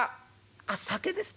「あっ酒ですか？